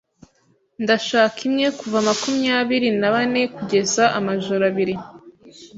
Ndashaka imwe kuva makumyabiri nabane kugeza amajoro abiri.